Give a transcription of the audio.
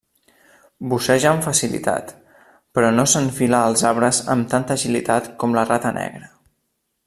Busseja amb facilitat, però no s'enfila als arbres amb tanta agilitat com la rata negra.